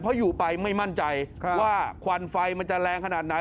เพราะอยู่ไปไม่มั่นใจว่าควันไฟมันจะแรงขนาดไหน